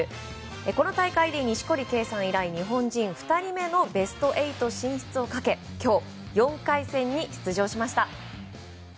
この大会で、錦織圭さん以来日本人２人目のベスト８進出をかけ今日、４回戦に出場しました。